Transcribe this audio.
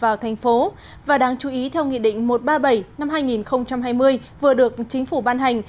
vào thành phố và đáng chú ý theo nghị định một trăm ba mươi bảy năm hai nghìn hai mươi vừa được chính phủ ban hành